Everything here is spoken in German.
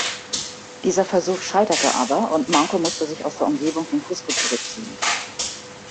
Dieser Versuch scheiterte aber, und Manco musste sich aus der Umgebung von Cusco zurückziehen.